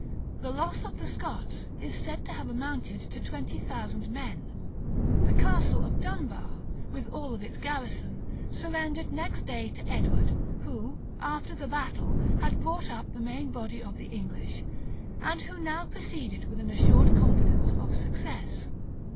The loss of the Scots is said to have amounted to twenty thousand men: the Castle of Dunbar, with all its garrison, surrendered next day to Edward, who, after the battle, had brought up the main body of the English, and who now proceeded with an assured confidence of success.